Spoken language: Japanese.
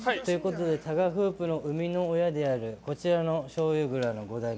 タガフープの生みの親であるこちらのしょうゆ蔵の五代目。